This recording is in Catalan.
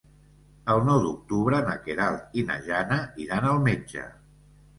El nou d'octubre na Queralt i na Jana iran al metge.